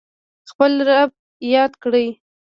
خپل رب یاد کړئ